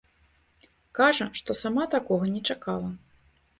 Кажа, што сама такога не чакала.